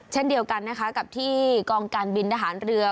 เช่นเดียวกันนะคะกับที่กองการบินทหารเรือ